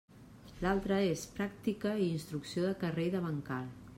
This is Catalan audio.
L'altre és pràctica i instrucció de carrer i de bancal.